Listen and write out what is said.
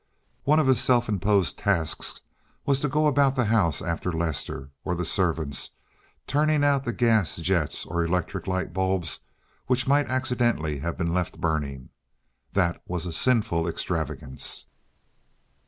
One of his self imposed tasks was to go about the house after Lester, or the servants, turning out the gas jets or electric light bulbs which might accidentally have been left burning. That was a sinful extravagance.